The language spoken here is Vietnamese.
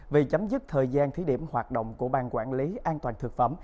về chấm dứt thời gian thí điểm hoạt động của bang quản lý an toàn thực phẩm